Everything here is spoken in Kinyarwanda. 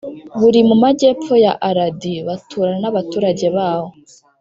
buri mu majyepfo ya aradi,+ baturana n’abaturage baho